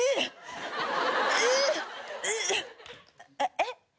えっ？